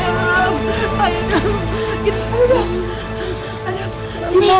aduh agak pindah